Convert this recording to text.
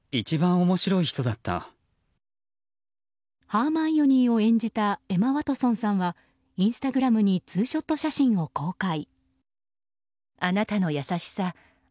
ハーマイオニーを演じたエマ・ワトソンさんはインスタグラムにツーショット写真を公開。